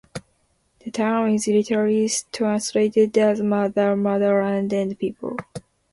The term is literally translated as "Mother, Motherland and People".